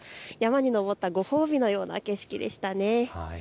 山に登ったご褒美のような景色でしたね。